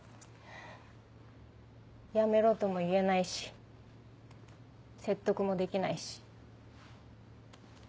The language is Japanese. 辞めろとも言えないし説得もできないし。